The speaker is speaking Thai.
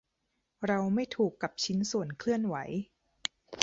เราไม่ถูกกับชิ้นส่วนเคลื่อนไหว